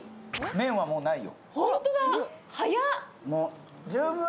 麺はもうないよ。